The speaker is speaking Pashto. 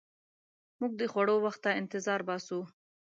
موږ د خوړو وخت ته انتظار باسو.